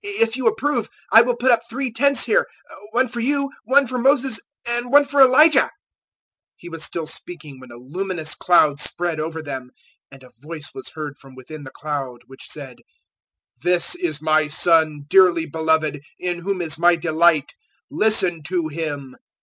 If you approve, I will put up three tents here, one for you, one for Moses, and one for Elijah." 017:005 He was still speaking when a luminous cloud spread over them; and a voice was heard from within the cloud, which said, "This is My Son dearly beloved, in whom is My delight. Listen to Him."